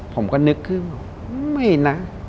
ผมก็นึกขึ้นบอกไม่นะ